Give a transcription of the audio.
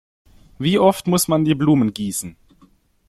Wie oft muss man die Blumen gießen?